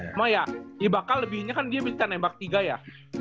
cuma ya bakal lebihnya kan dia bisa nembak tiga ya